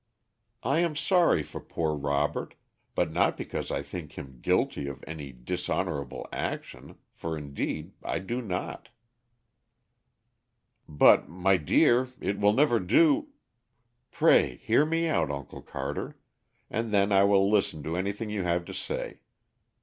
"I am sorry for poor Robert, but not because I think him guilty of any dishonorable action, for indeed I do not." "But, my dear, it will never do " "Pray hear me out, Uncle Carter, and then I will listen to anything you have to say.